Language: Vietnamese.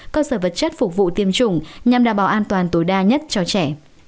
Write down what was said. cơ sở vật chất phục vụ tiêm chủng nhằm đảm bảo an toàn tối đa nhất cho trẻ